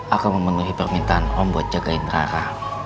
akan memenuhi permintaan om buat jagain rara